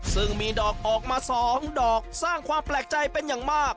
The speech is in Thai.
ซึ่งมีดอกออกมา๒ดอกสร้างความแปลกใจเป็นอย่างมาก